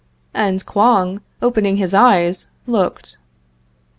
And Kouang, opening his eyes, looked.